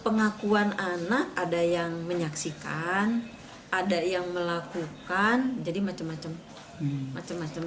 pengakuan anak ada yang menyaksikan ada yang melakukan jadi macam macam